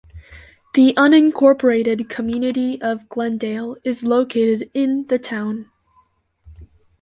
The unincorporated community of Glendale is located in the town.